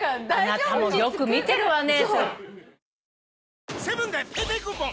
あなたもよく見てるわね。